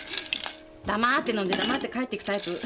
黙って飲んで黙って帰っていくタイプ。